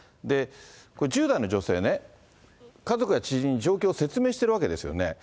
これ、１０代の女性ね、家族や知人に状況を説明しているわけですよね。